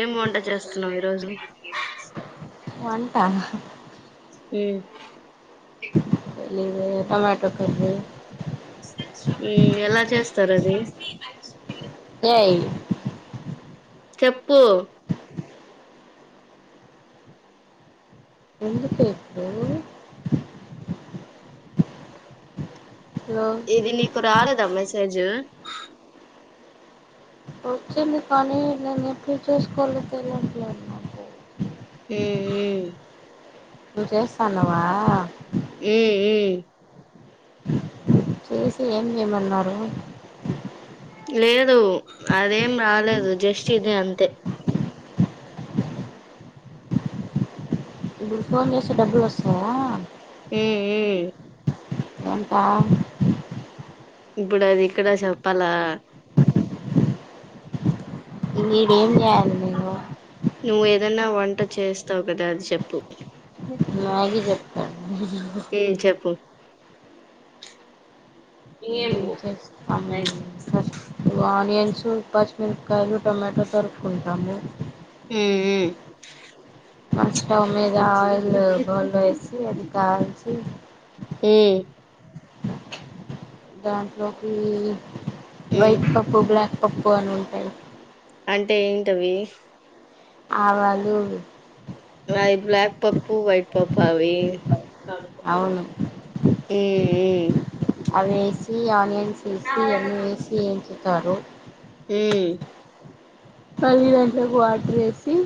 ఏమెఅం ఎలా చేస్తున్నాం ఈ రోజు వంటా హ్మ్ ఇ లేవే రేపో మాపో పెళ్లి ఎలా చేస్ స్తరది ఏ ఐ చెప్పు ఎందుకే ఇప్పుడు లో ఇది నీకు రాలేదా మెసేజ్ వచ్చింది కానీ నేను ఎప్పుడు చూసుకోలో తెలీట్లేదు నాకు ఏ ఏ నువ్ చేస్తానవా ఏ ఏ చేసి ఏం చేయమన్నారు లేదు అదేం రాలేదు జస్ట్ ఇది అంతే ఇప్పుడు ఫోన్ చేసే డబ్బులు వస్తాయా మ్మ్ మ్ కొంటా ఇప్పుడు అది ఇక్కడ చెప్పాలా ఇంగ ఇడేం చేయాలి నేను ఏదన్నా వంట చేస్తావ్ కదా అది చెప్పు మ్యాగీ చెప్తండి ఉమ్ చెప్పు ఏం చేస్తాం సర్ ఇగో ఆనియన్స్, పచ్చిమిరపకాయలు, టమాటో తరుకుంటాము మ్మ్ మ్ మా స్టవ్ మీద ఆయిల్ బౌల్ లో ఏసి అది కాల్చి మ్మ్ దాంట్లోకి ఉమ్ వైట్ పప్పు బ్లాక్ పప్పు అని ఉంటాయి అంటే ఏంటవి ఆవాలు లయి బ్లాక్ పప్పు వైట్ పప్పు అవి అవును మ్మ్ మ్మ్ అవి ఏసీ ఆనియన్ సేసి అన్ని ఏసి ఏంచి తారు మ్మ్ పది గంటలకు వాటర్ ఏసి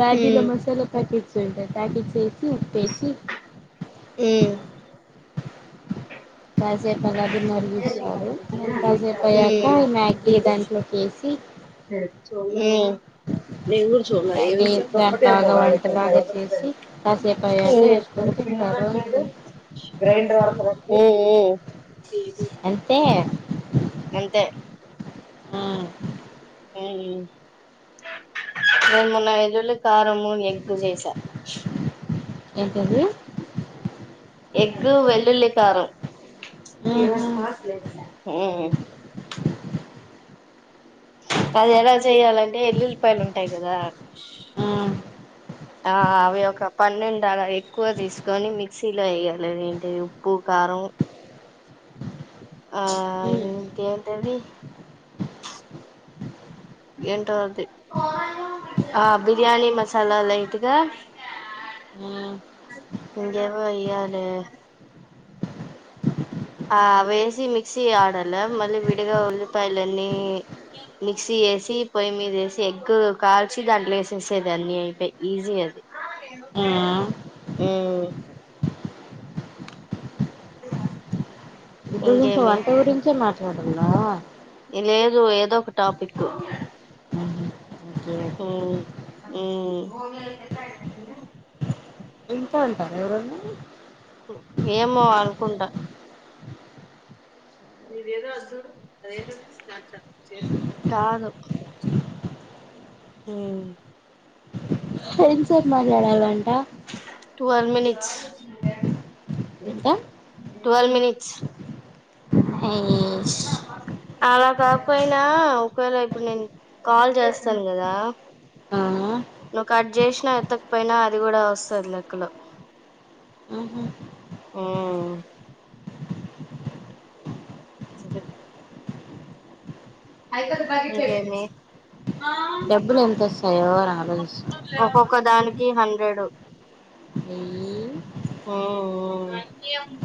మ్యాగీ లో హ్మ్ మసాలా ప్యాకెట్ [unintelligible] ఉప్పు ఏ సి మ్మ్ ప్యా సెట్ లో గాని రీ హ్మ్ మరిగించ్చినారు ఇంకాసేపు అయ్యాక హ్మ్ ఈ మ్యాగీ దాంట్లోకి ఎసి ఉమ్ నేన్ కూడ చూడలే ఏం దాన్ని దాని బాగా వంటలాగా చేసి కాసేపు అయ్యాక [unintelligible] మ్మ్ వేసుకొని తింటారు అంతే మ్మ్ అంతే అంతే మ్మ్ నేన్ మొన్న ఏల్లుల్లి కారము ఎగ్గు చేసా ఏంటి అండి ఎగ్ వెల్లుల్లి కారం ఈరోజు ఆహా స్మార్ట్ లేసేస్య మ్మ్ అది ఎలా చేయ్యాలంటే ఎల్లులిపాయలు ఉంటాయి గదా ఆ ఆ అవి ఒక పన్నెండు అలా ఎక్కువ తీసుకొని మిక్సీలో వేయాలి ఏంటి ఉప్పు కారం ఆ ఉమ్ ఇ ఏంటిది ఏంటో అది ఆ బిర్యానీ మసాలా లైట్గా ఆ ఇంకేమో ఎయ్యాలె ఆ వేసి మిక్సీ ఆడాల మళ్ళీ విడిగా ఉల్లిపాయలన్నీ మిక్సీ ఎసి పొయ్యి మీద ఎసి ఎగ్ కాల్చి దాంట్లో వేసేసేది అన్ని అయిపోయి ఈజీ అది ఆ ఎగ్ ఆ కూర్ మ్మ్ అ గురించి వంట గురించే మాట్లా వాడుంద లేదు ఏదో ఒక టాపిక్ ఆహా ఓకే మ్మ్ మ్మ్ ఇంకా అంటార ఎవరన్నా ఏమో అనుకుంటా కాదు మ్మ్ ఎంసెప్ మాట్లాడాలంట టువల్ మినిట్స్ ఇంకా టువల్ మినిట్స్ హైష్ అలా కాకపోయినా ఒకవేళ ఇప్పుడు నేను కాల్ చేస్తాను కదా ఆ నువ్వు కట్ చేసినా ఎత్తకపోయినా అది కూడా వస్తది లెక్కలో ఆహా ఇంకేంటి డబ్బులు ఎంతొ స యో అని ఆలోచిస్తున్న టి హండ్రెడు వెయ్యి మ్మ్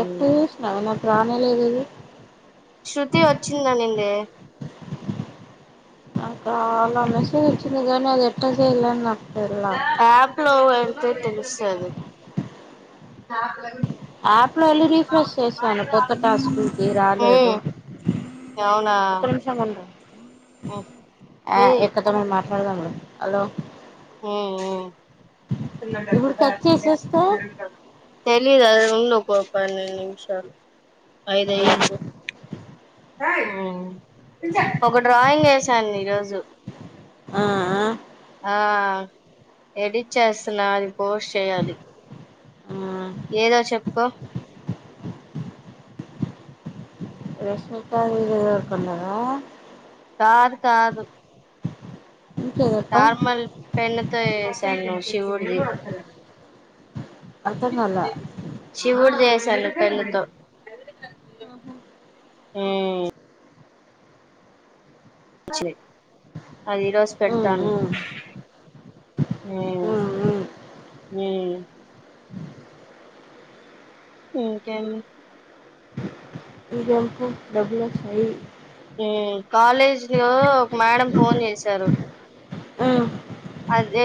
ఎకు స్నానం రానేలేదు అది శృతి వచ్చింది అనిందే చాలా మెసేజ్ వాచి నిజమే అది ఎట్ట జేయాల ఆప్ లో సరే ఆప్ లో వెళ్ళి రీఫ్రెష్ చేశాను కొత్త టాస్కుకి రాలేదు మ్మ్ అవునా ఒక నిమిషం ఉండు మ్మ్ ఎక్కదమ హలో మ్మ్ మ్మ్ ఇప్పుడు కట్ చేసేస్తే [unintelligible] తెలిదు ఉన్న కొప్పన్న నిమిషాలు అఐదయదు లైక్ ఒక డ్రాయింగ్ వేసాను ఈరోజు ఆ ఆ ఎడిట్ చేస్తున్నా అది పోస్ట్ చేయాలి ఆ ఏదో చెప్పుకో రెష్మిక [unintelligible] కొన్నార కాదు కాదు ఇంకేదప్ప నార్మల్ పెన్నుతో చేస్ శివుడిది అర్థం కాలే శివుడు దేస్ పెన్ను పెన్ను తో మ్మ్ అది ఈ రోజు ఉమ్ పెడుతాను ఉమ్ ఉమ్ ఉమ్ ఇకేం [unintelligible] డబ్ల్యూ హెచ్ [unintelligible] కాలేజీ లో ఒక మేడం ఫోన్ చేసారు ఉమ్ అదే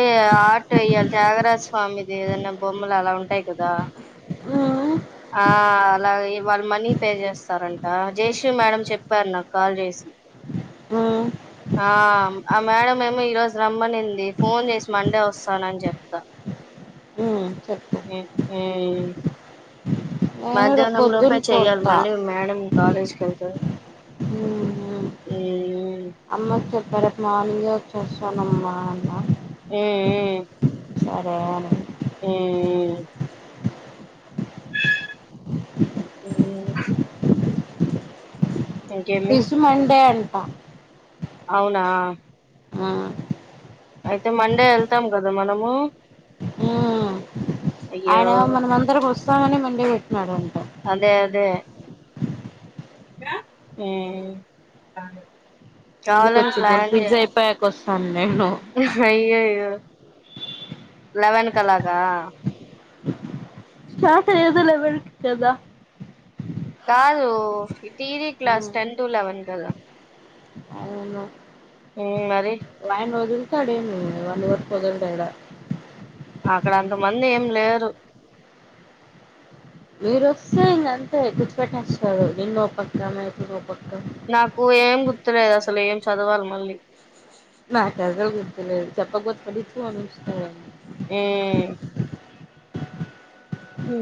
ఆట వేయ్యాలి త్యాగరాజ స్వామిది ఏదైనా బొమ్మలు అలా ఉంటాయి కదా ఉమ్ ఆ అలాగే వాళ్ళ మనీ పే చేస్తారంట జయశ్రీ మేడం చెప్పారు నాకు కాల్ చేసి ఉమ్ ఆ ఆ మేడం ఏమో ఈ రోజు రమ్మనింది ఫోన్ చేసి మండే వస్తానని చెప్తా ఉమ్ చెప్పు మ్మ్ నేను రేపు మధ్యాహ్నం పొద్దున లోపే చెయ్యాలి పోతా మళ్ళీ మేడం కాలేజ్ [unintelligible] అమ్మ చెప్పారు మార్నింగ్ వచ్చేస్తానమ్మా అని మ్మ్ సరే [unintelligible] మ్మ్ మ్మ్ [unintelligible] మండే ఆ అవునా ఆ అయితే మండే వెళ్తాం కదా మనము అయ్యో ఆయన మనం అందరం వస్తామని మన [unintelligible] అదే అదే మ్మ్ ముందుకు [unintelligible] పిజ్జ అయిపోయాక కోస్ అవునా అయ్యయ్యో లెవెన్ కి అలాగా మాతర [unintelligible] కాదు టీవి గ్లాస్ మ్మ్ టెన్ టు లెవెన్ కదా మ్మ్ మరి వయన వదుల్తాడు ఏం లేదు [unintelligible] తేడ అక్కడ అంతమంది ఏం లేరు మీరు వస్తే ఇంకంతే కుచ్చపెట్టేస్తారు నిన్నోపక్క, [unintelligible] ఓపక్క నాకు ఏం గుర్తులేదు అసలు ఏం చదవాలి మళ్ళీ నా తెల్దు గుర్తులేదు చెప్పకపోతే పడిచ్చు అని ఇస్త ఏ ఏ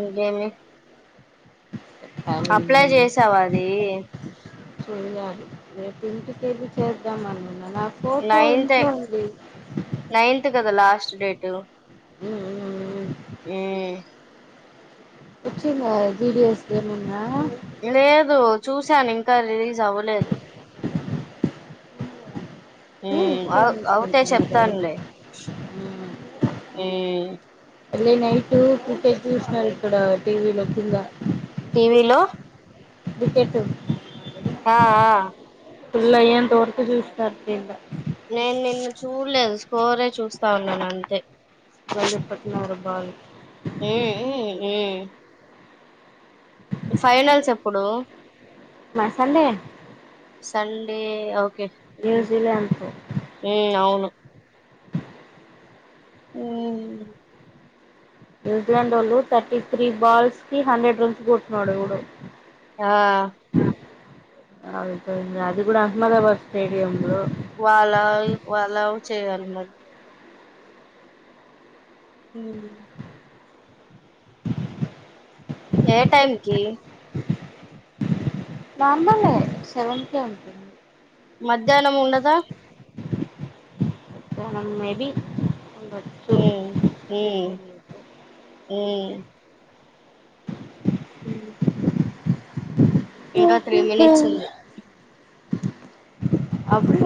ఇంకేమి అప్లై అంతే చేసావా అదీ యాలి రేప్ ఇంటికెళ్ళి చేద్దామని నా ఫొటో నైన్త్ ఇంట్లో ఉంది నైన్త్ కదా లాస్ట్ డేటూ ఉమ్ ఉమ్ ఉమ్ ఊ వచ్చి జిడిఎస్ గేమింగా లేదు చూశానింకా రిలీజ్ అవ్వలేదు ఊ తే ఇన్స్టైల్ అవుతే చేసుకుంటున్నా డాడీ చెప్తాన్లే ఊ ళ్ళీ నైట్ ఫుటేజ్ చూసినరు ఇక్కడ టీవీ లో కింద విలో వికెటు ఆ అ ఫుల్లై అంత వరకు చూస్తరు కింద నేన్ నిన్ చూలేదు స్కోరే చూస్తా ఉన్నాను అంతే బల్లిపట్టినవ్ ర బాలి ఏ ఎ ఏ ఫైనల్స్ ఎప్పుడూ మసల్లే సండే ఒకే న్యూజిలాండ్ తొ ఉ ఔను ఉమ్ న్యూజిలాండ్ ఒళ్ళు థర్టీ త్రీ బాల్స్ కి హండ్రెడ్ రన్స్ కొట్టినాడు ఎవడో ఆ అవు అది గుడా అహ్మదాబాద్ స్టేడియంలో వాళ్ళ వాళ్ళవ్ చేయ్యాలి మరి ఉమ్ ఏ టైంకీ నార్మలే సేవన్కే ఉంది మధ్యాహ్నముండద నం మేబి ఉండొచ్చు ఉమ్ ఉమ్ తెలీదు ఊమ్ ఉ ఇంక త్రీ మినిట్స్ ఉంది అప్డ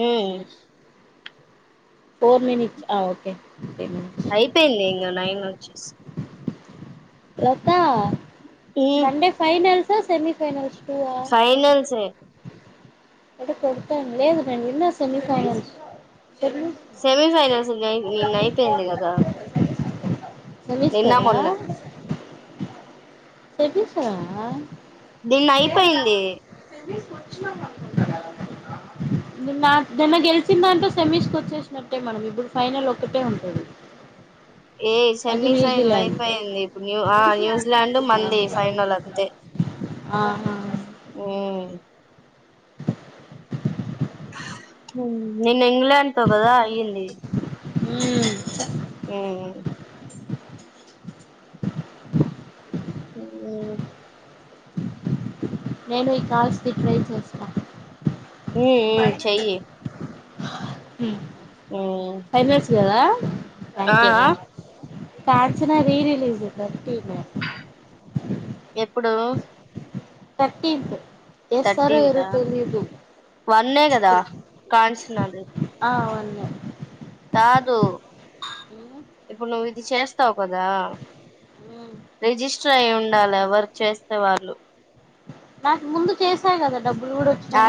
ఏ ఫోర్ మినిట్స్ అ ఓకే త్రీ మినిట్స్ అయిపేయిలె నైన్ నుంచి లత ఉమ్ సండే ఫైైనల్ సార్ సెమీఫైైనల్స్ ఫైనల్సే అయితే కొడతాను లేదు విన్న సెమీఫైనల్స్. సెమీ సెమిీఫైనల్ సులై నిన్న అయిపోయింది కదా. తెలుసు నిన్న కదా మొన్న తేపిస దీన్ని అయిపోయింది నా నిన్న గెలిచిం దాట్లో సెమీస్కి వచ్చేసినట్టే మనం ఇప్పుడు ఫైనల్ ఒక్కటే ఉంటది. ఏ అది సెమీఫైనల్ న్యూజిలాండ్తో అయిపోయింది ఇప్పుడు న్యూ ఆ న్యూజిలాండ్ మందీ స్ అవును ఫైైనల్ అంతే ఆహా ఉ నిన్న ఇంగ్లాండ్ తో కదా అయ్యింది మ్మ్ ఉ ఉ నేను ఈ కాల్స్ని ట్రై చేస్తా ఉ ఉ చెయ్యి ఉ ఉమ్ ఫైనల్స్ కదా [inaudible] ఆ ఫ్రాంక్ ఏ గా ఆ కాంచన రీరిిలీజ్ థర్టీ లో ఎప్పుడు థర్టీన్త్ చేస్తారో థర్టీన్ ఏదో ఆ తెలీదు వన్నే కదా కాంచ్ నది ఆ వన్నె కాదు ఇప్పుడు నువ్వు ఇది చేస్తావు కదా మ్మ్. రిజిస్టర్ అయి ఉండాలి ఎవర్ చేస్తే వాళ్ళు. నా ముందు చేసాగద అ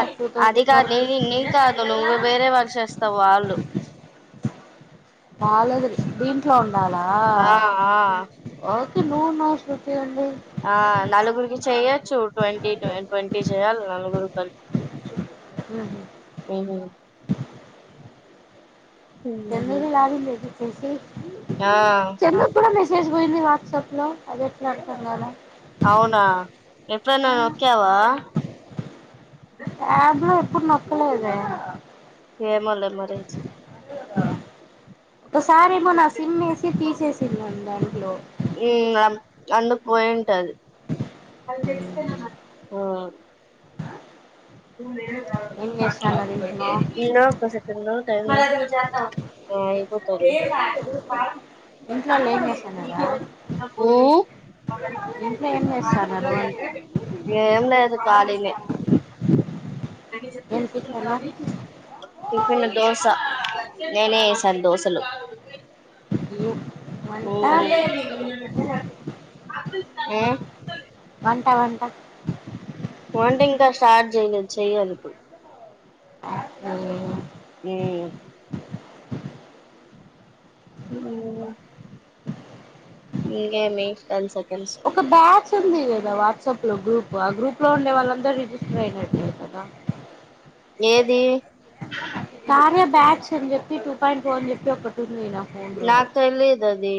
అదిికదు నీ నీక్ కాదు నువు వేరే వర్క్ చేస్తావు వాళ్ళు బాలేదధి దీంట్లో ఉన్ వాలా ఆ ఆ ఓకే తే నో నో చెప్ ఆ నలుగురికి ఇస్ చెయొచ్చు ట్వంటీ ట్వంటీ చేయాలి నలుగురు కలిపి ఉహు హ్మ్మ్ మీ ఆడి లేదు [unintelligible] ఇీ ఆ చెన్నకుడు మసి చేసి పోయింది వాట్సాప్ లో అది ఎట్లా అర్థం కలా అవునా ఎప్పుడన్నా నొక్క్యవా అప్ లో ఎప్పుడు నొక్కలేదే ఏమోలే మరి ఆ ఒకసారిేమో నా సిమ్ వేసి తీసేసిందిను దాంట్లో అండకుపోయింటది అవును ఏం చేస్తాన్నారు ఇంట్లో లే ఇ నా కోసెకంద అయిపోతాది లే ఇంట్లోళ్ళు ఏం చేస్తన్నారా ఉహ్మ్మ్ ఇంట్లో ఏం చేస్తన్నారు అం ఏం లేదు కలినే ఏం టిఫను టిఫిన్ దోశ నేనే ఎస్సాను దోసలు ఈ నేనే హ్మ్మ్ వంట వంట వంట ఇంకా స్టార్ట్ చేయలేదు చెయ్యలి ఇప్పుడు హ్మ్మ్ హ్మ్మ్ గివ్ మీ టెన్ సెకండ్స్ ఒక బ్యాచ్ ఉంది కదా వాట్సాప్ లో గ్రూప్ ఆ గ్రూప్ లో ఉండే వాళ్ళందరుూ రిజిస్టర్ అయినట్లే కదా ఏది కార్య బ్యాచ్ అని చెప్పి టూ పాయింట్ ఫోర్ అని చెప్పి ఒకటి ఉంది నేనా నాకు తెలిదు అదిీ